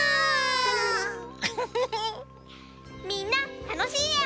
みんなたのしいえを。